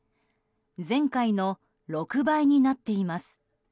前回の６倍になっています。